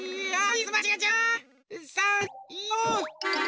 はい。